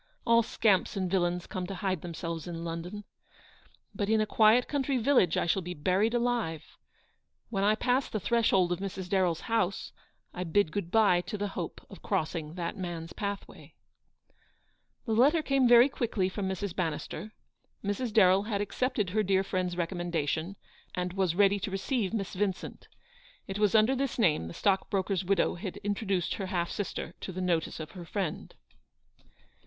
All scamps and villains come to hide themselves in London. But in a quiet country village I shall be buried alive. "When I pass the threshold of Mrs. Darren's house, I bid good bye to the hope of crossing that man's pathway/' The letter came very quickly from Mrs. Ban nister. Mrs. Darrell had accepted her dear friend's recommendation, and was ready to re ceive Miss Vincent. It was under this name the stockbroker's widow had introduced her half sister to the notice of her friend.